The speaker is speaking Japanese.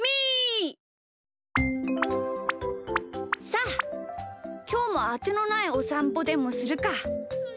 さあきょうもあてのないおさんぽでもするか。